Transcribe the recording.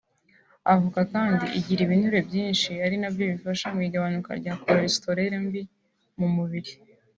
avoka kandi igira ibinure byinshi ari nabyo bifasha mu igabanuka rya cholesterol mbi mu mubiri